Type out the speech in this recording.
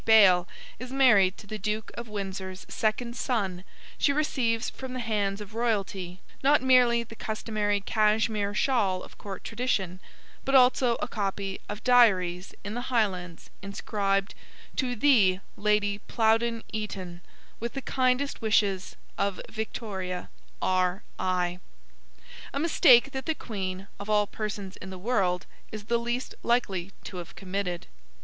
Bayle is married to the Duke of Windsor's second son she receives from the hands of royalty not merely the customary Cashmere shawl of Court tradition, but also a copy of Diaries in the Highlands inscribed 'To the Lady Plowden Eton, with the kindest wishes of Victoria R.I.', a mistake that the Queen, of all persons in the world, is the least likely to have committed.